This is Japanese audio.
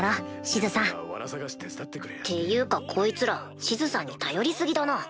シズさんっていうかこいつらシズさんに頼り過ぎだな。